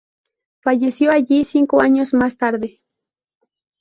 Falleció allí cinco años más tarde.